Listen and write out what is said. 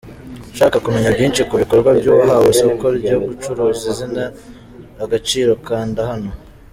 Ushaka kumenya byinshi ku bikorwa by’uwahawe isoko ryo gucuruza izina Agaciro kanda hano.